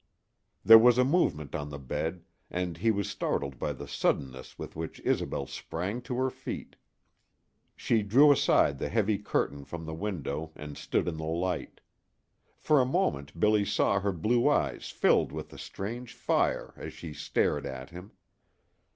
There was a movement on the bed, and he was startled by the suddenness with which Isobel sprang to her feet. She drew aside the heavy curtain from the window and stood in the light. For a moment Billy saw her blue eyes filled with a strange fire as she stared at him.